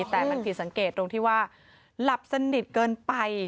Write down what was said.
แต่มันผิดสังเกตตรงที่ว่าหลับสนิทเกินไป